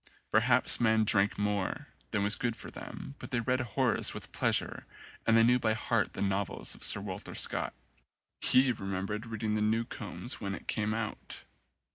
Perhaps men drank more than was good for them, but they read Horace for pleasure and they knew by heart the novels of Sir Walter Scott. He remembered reading The Newcomes when it came out.